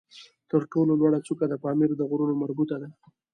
تر ټولو لوړه څوکه د پامیر د غرونو مربوط ده